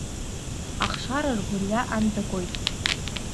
Ахшара ргәырҩа ан дагоит!